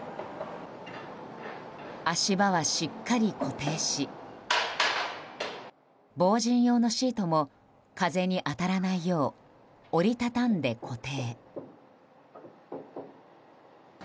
足場はしっかり固定し防塵用のシートも風に当たらないよう折り畳んで固定。